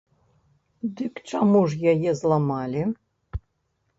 Дык чаму ж яе зламалі?